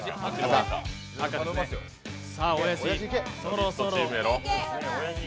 おやじ、そろそろ。